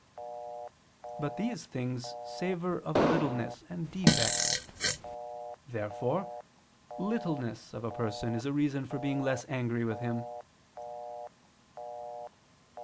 But these things savor of littleness and defect. Therefore littleness of a person is a reason for being less angry with him.